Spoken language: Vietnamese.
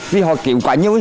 vì họ kiếm quá nhiều